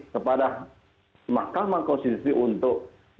kepada mahkamah konstitusi untuk